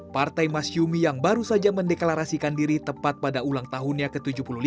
partai masyumi yang baru saja mendeklarasikan diri tepat pada ulang tahunnya ke tujuh puluh lima